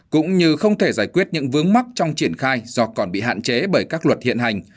cũng như không thể giải quyết những vướng mắc trong triển khai do còn bị hạn chế bởi các luật hiện hành